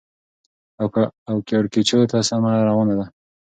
او کېړکیچو ته سمه ګرانه ده.